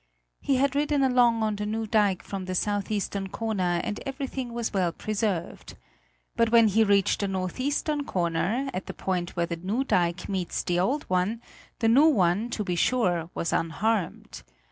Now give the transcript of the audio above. He had ridden along on the new dike from the southeastern corner and everything was well preserved. But when he reached the northeastern corner, at the point where the new dike meets the old one, the new one, to be sure, was unharmed.